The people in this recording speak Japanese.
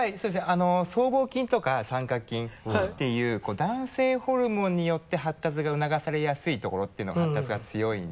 あの僧帽筋とか三角筋っていう男性ホルモンによって発達が促されやすいところっていうのが発達が強いんで。